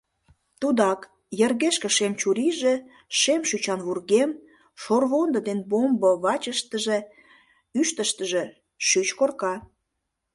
Тудак: йыргешке шем чурийже, шем шӱчан вургем, шорвондо ден бомбо вачыштыже, ӱштыштыжӧ шӱч корка.